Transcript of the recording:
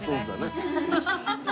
ハハハハ！